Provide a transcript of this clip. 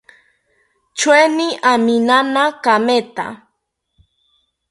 Choeni aminana kametha